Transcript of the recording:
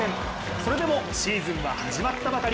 それでもシーズンは始まったばかり。